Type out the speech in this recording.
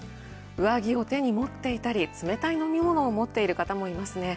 上着を脱いだり、冷たい飲み物を持っている方もいますね。